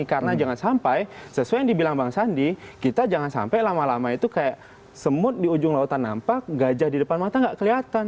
karena jangan sampai sesuai yang dibilang bang sandi kita jangan sampai lama lama itu kayak semut di ujung lautan nampak gajah di depan mata nggak kelihatan